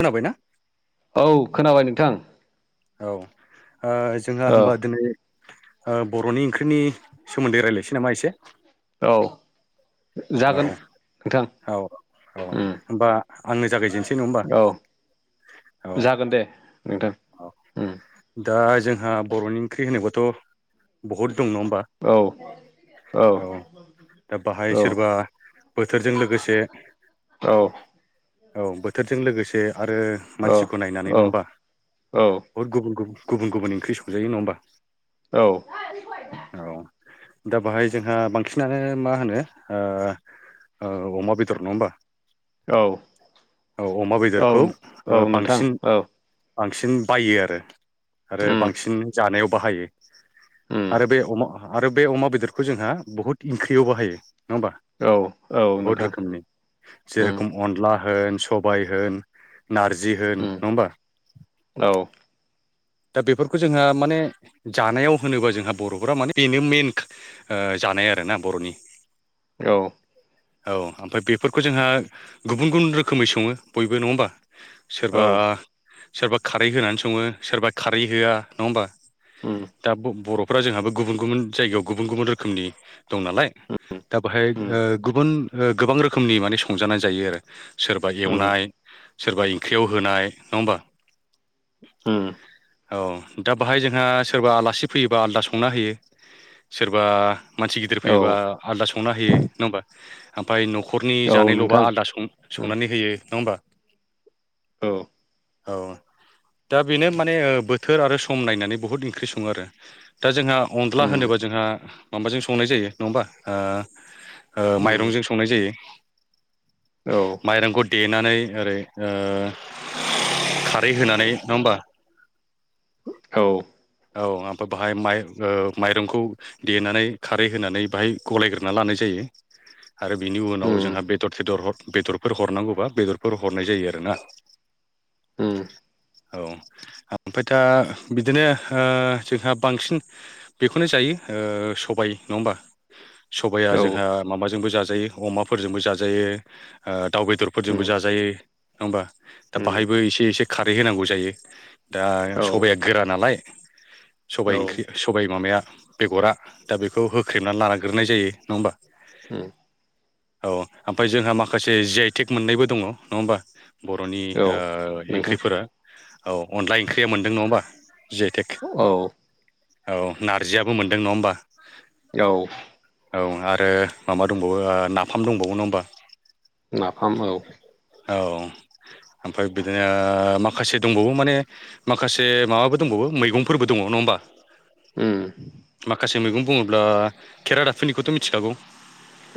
खोनाबायना औ खोनाबाय नोंथां। औ ओ जोंहा औ होमबा दोनै ओ बर'नि ओंख्रिनि सोमोन्दै रायलायसै नामा एसे। औ जागोन। नोंथां औ औ औ उम होमबा आंनो जागायजेनसै नङा होमबा। औ औ जागोन दे नोंथां औ उम। दा जोंहा बर'नि ओंख्रि होनोबाथ' बहुद दं नङा होमबा। औ औ दा बाहाय औ सोरबा बोथोरजों लोगोसे औ औ बोथोरजों लोगोसे आरो मानसिखौ नायनानै नङा औ होमबा बहुद गुबुन गुबुन गुबुन गुबुन ओंख्रि संजायो नङा होमबा औ। दा बाहाय जोंहा बांसिनानो मा होनो ओ ओ अमा बेदर नङा होमबा। औ औ अमा औ बेदरखौ ओ नोंथां बांसिन औ बांसिन बायो आरो आरो उम बांसिन जानायाव बाहायो। उम आरो बे अमा आरो बे अमा बेदरखौ जोंहा बहुद ओंख्रियाव बाहायो। नङा होमबा औ औ बहुद नोंथां रोखोमनि उम जेरखम अनला होन सबाय होन नारजि होन उम नङा होमबा। औ। [inaudible] दा बेफोरखौ जोंहा माने जानायाव होनोबा जोंहा बर'फोरा माने बेनो मेइन ओ जानाय आरोना बर'नि औ औ ओमफाय बेफोरखौ जोंहा गुबुन गुबुन रोखोमै सङो बयबो नङा होमबा। औ सोरबा सोरबा खारै होनानै सङो सोरबा खारै होआ नङा होमबा उम दा ब बर' फोरा जोंहाबो गुबुन गुबुन जायगा ओ उम गोबां रोखोमनि माने संजानाय जायो आरो सोरबा उम एवनाय सोरबा ओंख्रियाव होनाय नङा होमबा। उम औ दा बाहाय जोंहा सोरबा आलासि फैयोबा आलदा संना होयो सोरबा मानसि गिदिर औ फैयोबा आलादा सं संना होयो नङा होमबा ओमफाय न'खरनि औ जानायल'बा नोंथां आलादा सं उम संनानै होयो। नङा होमबा औ औ दा बेनो माने ओ बोथोर आरो सम नायनानै बुहुद ओंख्रि सङो आरो दा जोंहा अनला उम होनोबा जो जोंहा माबाजों संनाय जायो नङाबा ओ ओ उम माइरंजों औ संनाय जायो। माइरंखौ देनानै ओरै ओ खारै होनानै नङा होमबा औ औ ओमफ्राय बाहाय माइ ओ माइरंखौ देनानै खारै होनानै बाहाय गलायग्रोना लाना नाय जायो आरो बिनि उनाव उम जोंहा बेदर सेदर हर बेदरफोर हरनांगौबा बेदरफोर हरनाय जायो आरो ना। उम औ ओमफाय दा बिदिनो ओ जोंहा बांसिन बेखौनो जायो ओ सबाय नङा होमबा। सबाया औ जोंहा माबा जोंबो जाजायो अमाफोरजोंबो जाजायो ओ दाउ उम बेदरजोंबो जाजायो नङा होमबा। दा उम बाहायबो एसे एसे खारै होनांगौ जायो दा औ सबाइया गोरा नालाय सबाइ औ ओंख्रि सबाइ माबाया बेगरा दा बेखौ होख्रेबनानै लाग्रोनाय जायो नङा होमबा ओम औ ओमफ्राय जोंहा माखासे जि आइटेक मोननायबो दङ नङा होमबा बर'नि औ ओ नोंथां ओंख्रिफोरा औ अनला ओंख्रिया मोनदों नङाबा जिआइथेक [unintelligible] औ औ नारजियाबो मोनदों नङा होमबा औ औ आरो माबा दंबावो नाफाम दंबावो नङा होमबा नाफाम औ औ ओमफ्राय बिदिनो माखासे दंबावो माने माखासे माबाबो दंबाव मैंफोरबो दङ नङा होमबा उम माखासे मैगं बुङोब्ला खेरादाफिनिखौथ' मिथिखागौ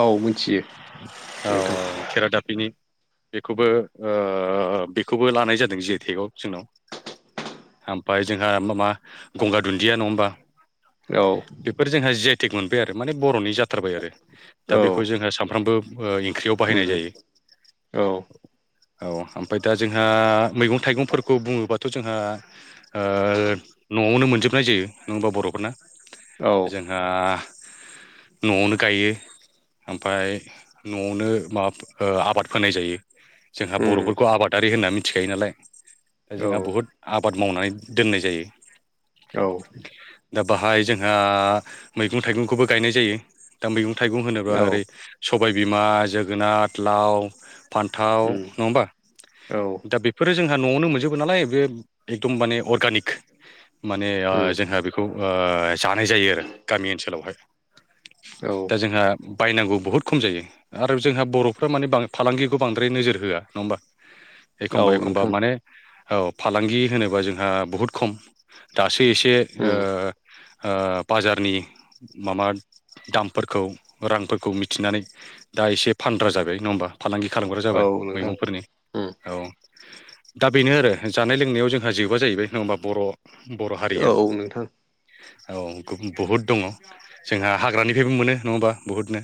औ मोनथियो नोंथां बिनि बेखौबो ओ बेखौबो लानाय जादों जिआइटेगआव जोंनाव आम फ्राय जोंहा माबा गंगार दुन्दिया नङा होमबा औ बेफोर जोंहा जिआइ टेग मोनबाय आरो माने बर'नि जाथारबाय आरो दा बेखौ जोंङो सानफ्रामबो ओंख्रियाव बाहायनाय ओम जायो औ औ ओमफ्राय दा जोंहा मैगं थाइगंफोरखौ बुङोबाथ' जोंहा ओ न'आवनो मोनजोबनाय जायो नङबा बर'फोरना औ जोंहा न'आवनो गायो ओमफ्राय न'आवनो माबा आबाद फोनाय जायो जोंहा उम बर'फोरखौ आबादारि होननानै मि मिथिखायो नालाय दा औ जोंहा बहुद आबाद मावनानै दोननाय जायो औ दा बाहाय जोंहा मैगं थाइगंखौबो गायनाय जायो दा मैगं थाइगं होनोबा ओरै सबायबिमा जोगोनार लाव फान्थाव उम नङा होनबा औ दा बेफोरो जोंहा न'आवनो मोनजोबो नालाय बे एकदम माने अर्गानिक माने उम जोंहा बेखौ जानाय जायो आरो गामि ओनसोलावहाय। औ दा जोंहा। बायनांगौ बहुद खम जायो आरो जोंहा बर'फ्रा माने फालांगिखौ बांद्राय नोजोर होआ नङा होमबा औ एखमबा एखमबा नोंथां माने फालांगि होनोबा जोंहा बहुद खम दाससिम बे एसे ओ उम ओ बाजारनि माबा दामफोरखौ रांफोरखौ मिथिनानै। दा एसे फानग्रा जाबाय नङा होमबा फालांगि खालामग्रा औ जाबाय नोंथां मैगंफोरनि उम औ। दा बेनो आरो जानाय लोंनायाव जोंहा जोबा जाहैबाय नङा होमबा बर'। बर' हारिया। औ नोंथां औ बहुद दङ जोंहा हाग्रानिफ्रायबो मोनो नङाहोमबा बुहुदनो।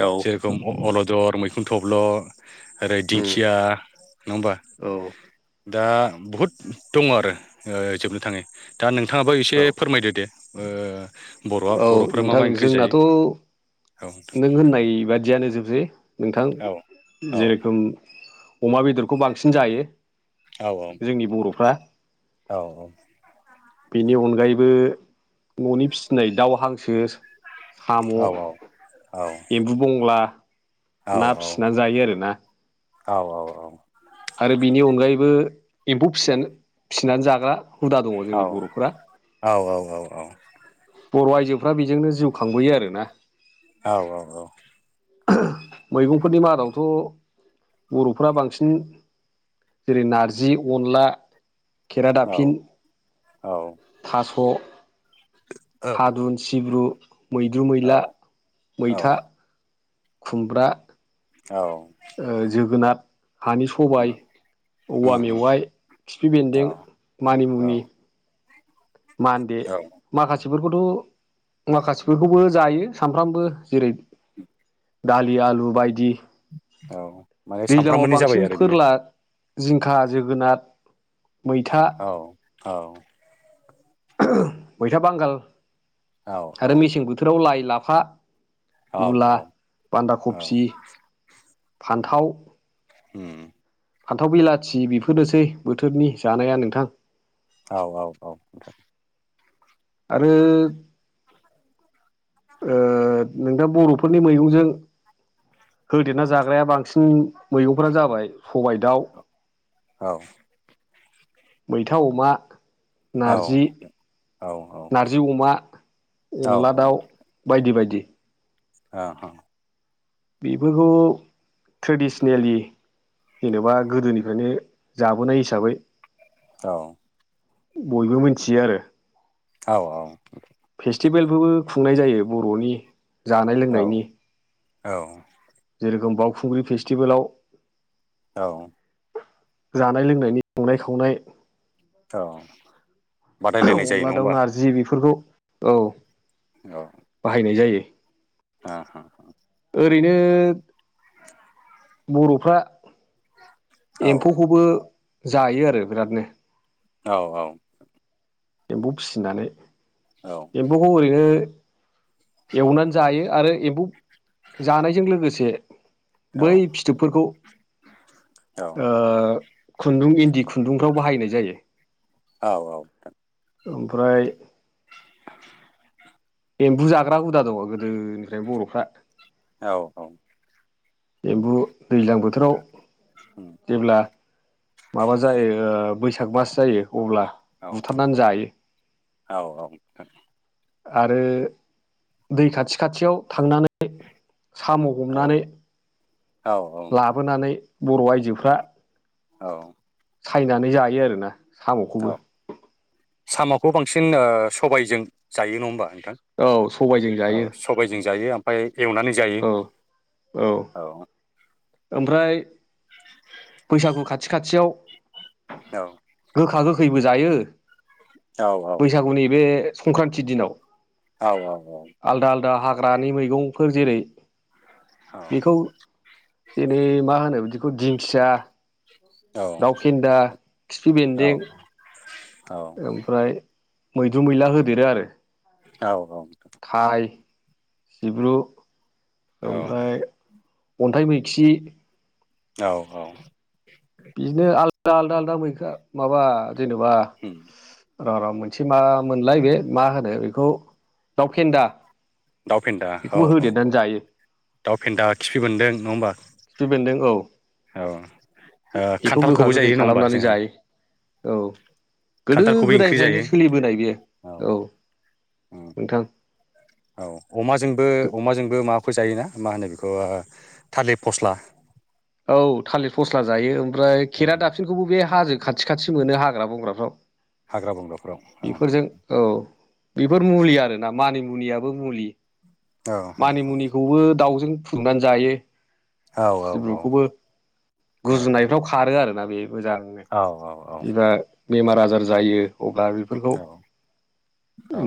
औ उम औ अलदर मैखुन थब्ल। ओरै दिंखिया नङा होमबा दा बहुद दङ आरो। जोबनो थाङै दा नोंथाङाबो एसे औ फोरमायदो दे ओ बर'आ औ बर'फ्रा मा नोंथां मा ओंख्रि जायो। जोंनाथ' औ नों होननाय बादियानो जोबसै नोंथां औ औ जेरोखोम अमा बेदरखौ बांसिन जायो। औ औ जोंनि बर'फ्रा औ औ। बेनि अनगायैबो न'नि फिसिनाय दाउ हांसो। साम'। औ औ एम्बु बंला औ ना औ फिसिनानै जायो आरोना। औ औ औ। आरो बिनि अनगायैबो एम्फौ फिसिनानै जाग्रा हुदा दङ जोंनि औ बर'फोरा औ औ बर' आइजोफ्रा बेजोंनो जिउ खांबोयो आरोना। मैगंफोरनि मादावथ' बर'फोरा बांसिन जेरै नारजि अनला। केरादाफिन थास' हादुन सिब्रु मैद्रु मैला औ मैथा। खुमब्रा। औ। जोगोनार हानि सबाय औवा उम उम मेवाइ खिफि औ बेन्दों औ मानिमुनि मानदे औ माखासेख बिफोरखौथ' माखासेफोरखौबो जायो सानफ्रामबो जेरै दालि आलु बायदि। औ। माने दैज्लांआव सामफ्रामबोनि जाबाय बांसिन आरो बियो फोरला। जिंखा जोगोनार मैथा। ओं् मैथा बांगाल औ आरो मेसें बोथोराव लाइ लाफा। औ औ मुला बान्दा खफि। ह [inaudible] फान्थाव बिलाथि बेफोरनोसै बोथोरनि जानाया नोंथां। औ औ औ आरो ओ नोंथां बर'फोरनि मैगंजों होदेरना जाग्राया बांसिन मैगंफोरानो जाबाय। सबाय दाउ औ मैथा अमा। औ नारजि औ। नारजि अमा अनला दाउ बायदि बायदि औ औ बेफोरखौ ट्रेडिसेनेलि जेनेबा गोदोनिफ्रायनो जाबोनाय हिसाबै औ बयबो मिथियो आरो औ औ फेस्टिभेलबोबो खुंनाय जायो बर'नि जानाय औ औ जेरेखोम बावखुंग्रि फेस्टिभेलाव औ जानाय लोंनायनि संनाय खावनाय औ बादायलायनाय जायो अनला नङा दाउ होमबा नारजि बेफोरखौ औ बाहायनाय जायो ओ हो ओरैनो [inaudible] बर'फ्रा औ एम्फौखौबो जायो आरो बिरादनो औ औ एम्फौ फिसिनानै औ एम्फौखौ ओरैनो एवनानै जायो आरो एम्फौ जानायजों लोगोसे औ बै फिथोबफोरखौ औ औ खुन्दुं इन्दि खुन्दुंफ्राव बाहायनाय जायो औ औ ओमफ्राय आ [inaudible] [unintelligible] एम्बु जाग्रा हुदा दङ गोदोनिफ्रायनो बर'फ्रा औ औ। एम्बु दैज्लां बोथोराव जेब्ला माबा जायो बैसाग मास जायो अब्ला बुथारनानै जायो। औ औ। आरो दै खाथि खाथियाव थांनानै साम' हमनानै लाबोनानै बर' आइजोफ्रा औ। सायनानै जायो आरोना साम'खौबो। औ साम'खौ बांसिन सबायजों जायो नङा होमबा। औ सबायजों जायो औ सबायजों जायो। ओमफ्राय एवनानै जायो औ औ। ओमफ्राय बैसागु खाथि खाथियाव। औ। गोखा गोखैबो जायो औ बैसागुनि बे संक्रान्ति दिनाव। औ औ औ। आलदा आलदा हाग्रानि मैगंफोर जेरै बेखौ जेनै मा होनो बिदि बेखौ दिंखिया, दाउ औ फेन्दा, खिफि बेन्दों औ ओमफ्राय मैद्रु मैला होदेरो आरो औ औ थाराय जिब्रु औ ओमफ्राय अन्थाइ मैखि औ औ। बिदिनो आलदा आलदा आलदा मैखा माबा जेनबा र' र' मोनसे मा मोनलाय बे मा होनो बेखौ दाव फेन्दा दाउ फेदा औ बेखौबो औ होदेरनानै औ जायो दाउ फेन्दा खिफि बेन्दों नङा होमबा। खिफि बेन्दों औ। औ ओ बेखौ गोखा खान्थालखौबो गोखै जायो नङा होमबा खालामनानै जोंहा जायो औ गोदो खान्थालखौबो ओंख्रि गोदायनिफ्रायनो जायो सोलिबोनाय बेयो औ उम नोंथां। औ अमाजोंबो अमाजोंबो माबा जायोना मा होनो बेखौ थालिर फस्ला। औ थालिर फस्ला जायो ओमफ्राय औ खेरा दाफिनिखौबो बे हाजो खाथि खाथि मोनो हाग्रा बंग्राफ्राव। हाग्रा बंग्रा। बेफोरजों औ बेफोर मुलि आरोना मानि मुनियाबो मुलि। औ औ मानि मुनिखौबो दाउजों फुदुंनानै जायो। औ औ सिब्रुखौबो गुजुनायफ्राव खारो आरोना। बे मोजांनो जेब्ला बेमार आजार जायो अब्ला बेफोरखौ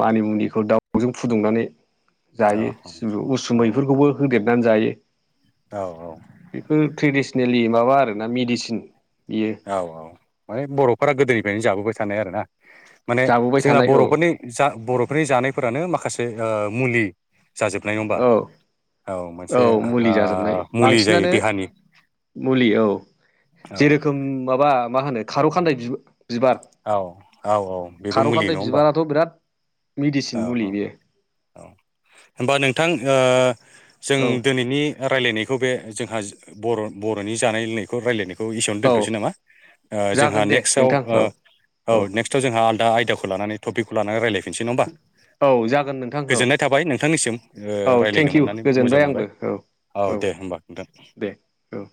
मानि मुनिखौ दाउजों फुदुंनानै जायो उसुमैफोरखौबो होदेरनानै जायो। औ बेफोर ट्रेडिसनेलि माबा आरोना मेडिसिन। बियो औ औ माने बर'फोरा गोदोनिफ्रायनो जाबोबाय थानाय आरोना। माने जाबोबाय जोंना थानाय औ बर'फोरनि जा बर'फोरनि जानायफोरानो माखासे आ मुलि। जाजोबनाय नङा होनबा औ औ मोनसे औ मुलि जाजोबनाय मुलि जायो बांसिनानो देहानि मुलि औ औ जेरो रोखोम माबा मा होनो खार' खान्दाय बि बिबार औ औ औ बेबो खार' मुलि नङा खान्दाइ होमबा बिबाराथ' बिराद औ मेडिसिन मुलि औ बेयो। औ होमबा नोंथां जों औ दिनैनि रायलायनायखौ बे जोंहा बर' बर'नि जानाय लोंनायखौ रायलायनायखौ इसेयावनो औ दोनथ'नोसै नामा जोंहा जागोन दे नेक्स्टआव नोंथां औ औ नेक्स्टआव जों दा आइदाखौ लानानै टपिकखौ लानानै रायफिसै नङा होनबा। औ जागोन नोंथां औ गोजोननाय थाबाय नोंथांनिसिम औ रायज्लायनो थेंकिउ मोननानै मोजां गोजोनबाय मोनबाय। आंबो औ औ दे होनोमबा नोंथां। दे औ